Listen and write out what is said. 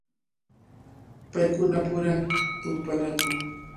Paykunapura tumpanakun.